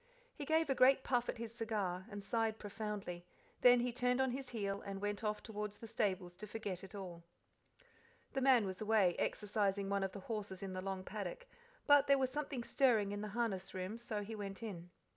He gave a great puff at his cigar, and sighed profoundly; then he turned on his heel and went off toward the stables to forget it all. The man was away, exercising one of the horses in the long paddock; but there was something stirring in the harness room, so he went in.